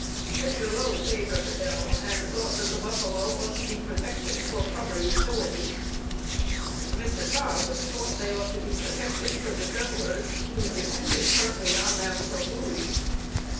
Mr. Lowe favored the bill, and thought that the buffalo ought to be protected for proper utility. Mr. Cobb thought they ought to be protected for the settlers, who depended partly on them for food.